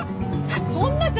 あっ！